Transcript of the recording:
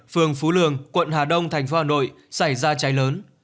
phường phú lương quận hà đông thành phố hà nội xảy ra cháy lớn